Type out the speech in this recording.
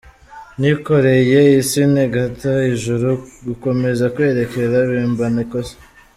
Nikoreye isi ntengata ijuru gukomeza kwerekera bimbana ikosi.